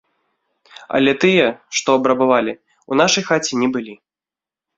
Але тыя, што абрабавалі, у нашай хаце не былі.